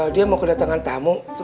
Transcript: dia mau kedatangan tamu